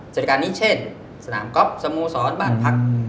สวัสดิการนี้เช่นสนามก๊อบสมูรสอนบ้านผัก